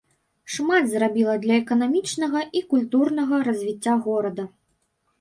Шмат зрабіла для эканамічнага і культурнага развіцця горада.